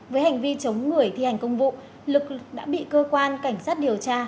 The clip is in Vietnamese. với hành vi chống người thi hành công vụ lực đã bị cơ quan cảnh sát điều tra